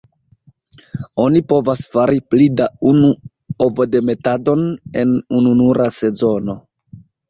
Oni povas fari pli da unu ovodemetadon en ununura sezono.